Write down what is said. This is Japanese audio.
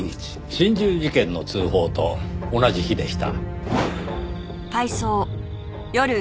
心中事件の通報と同じ日でした。